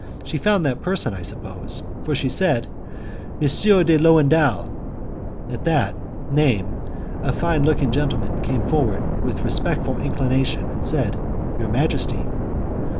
She found that person, I suppose, for she said, "Monsieur de Lowendal!" At that name, a fine looking man came forward with respectful inclination, and said, "Your majesty?"